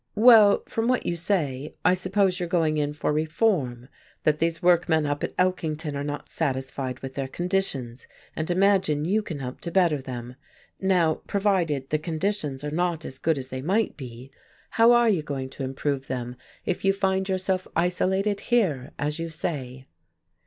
"Well, from what you say, I suppose you're going in for reform, that these workmen up at Elkington are not satisfied with their conditions and imagine you can help to better them. Now, provided the conditions are not as good as they might be, how are you going to improve them if you find yourself isolated here, as you say?"